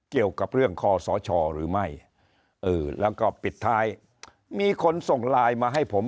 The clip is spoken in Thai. เกี่ยวกับเรื่องคอสชหรือไม่เออแล้วก็ปิดท้ายมีคนส่งไลน์มาให้ผม